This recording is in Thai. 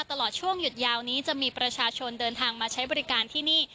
ตลอดช่วงหยุดยาวนี้จะมีประชาชนเดินทางมาใช้บริการที่นี่